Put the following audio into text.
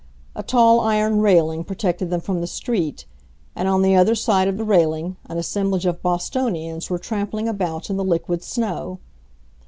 A tall iron railing protected them from the street, and on the other side of the railing an assemblage of Bostonians were trampling about in the liquid snow.